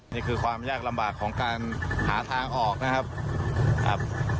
นี่คือความยากลำบากของการหาทางออกนะครับครับ